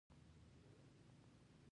وزه مې د ګلانو پر ځای پلاستیکي کڅوړې خوري.